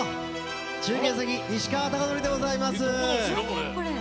中継先の西川貴教でございます。